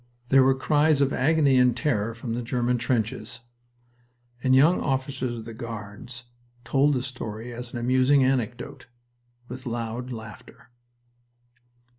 There were cries of agony and terror from the German trenches, and young officers of the Guards told the story as an amusing anecdote, with loud laughter.